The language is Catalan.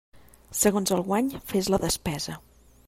Segons el guany fes la despesa.